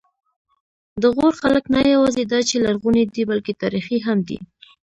د غور خلک نه یواځې دا چې لرغوني دي، بلکې تاریخي هم دي.